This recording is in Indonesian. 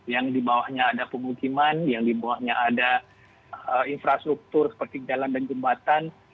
yang di bawahnya ada pemukiman yang di bawahnya ada infrastruktur seperti jalan dan jembatan